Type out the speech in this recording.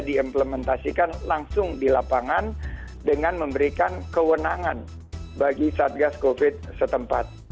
diimplementasikan langsung di lapangan dengan memberikan kewenangan bagi satgas covid setempat